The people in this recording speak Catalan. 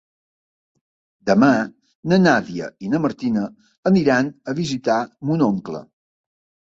Demà na Nàdia i na Martina aniran a visitar mon oncle.